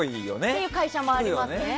そういう会社もありますね。